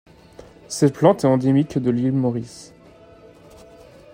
Cette plante est endémique de l'île Maurice.